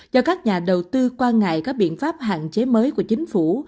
do các nhà đầu tư quan ngại các biện pháp hạn chế mới của chính phủ